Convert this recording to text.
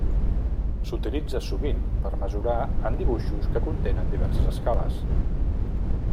S'utilitza sovint per mesurar en dibuixos que contenen diverses escales.